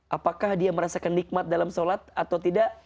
apakah dia merasakan nikmat dalam sholat atau tidak